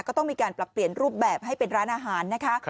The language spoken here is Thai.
ก็ต้องมีการปรับเปลี่ยนรูปแบบให้เป็นร้านอาหารนะคะ